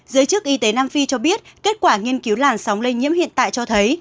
giới chức y tế nam phi cho biết kết quả nghiên cứu làn sóng lây nhiễm hiện tại cho thấy